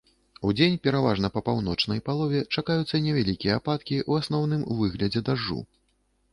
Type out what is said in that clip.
Удзень пераважна па паўночнай палове чакаюцца невялікія ападкі, у асноўным у выглядзе дажджу.